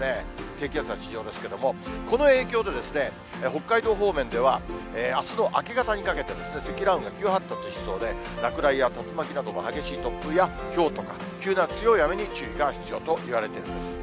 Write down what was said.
低気圧は地上ですけれども、この影響で、北海道方面ではあすの明け方にかけて、積乱雲が急発達しそうで、落雷や竜巻などの激しい突風や、ひょうとか、急な強い雨に注意が必要といわれているんです。